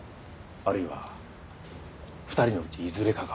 あるいは２人のうちいずれかが。